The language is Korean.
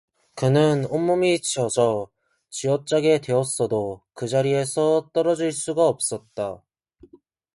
그는 온몸이 젖어 쥐어짜게 되었어도 그 자리에서 떨어질 수가 없었다.